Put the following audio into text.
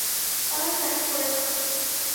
কলার tight করে নাও।